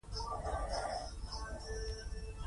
دمډل سکول د استاذ پۀ حيث ئي سرکاري ملازمت کولو